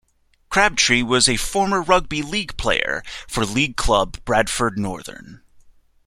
Crabtree was a former rugby league player for league club Bradford Northern.